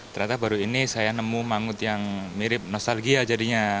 ternyata baru ini saya nemu mangut yang mirip nostalgia jadinya